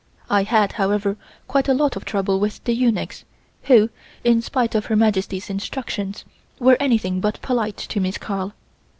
I had, however, quite a lot of trouble with the eunuchs, who, in spite of Her Majesty's instructions, were anything but polite to Miss Carl.